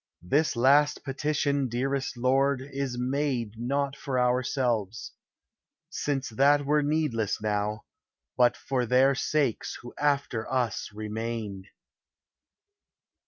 This last petition, dearest Lord ! is made Not for ourselves; since that were needless now; But for their sakes who after us remain."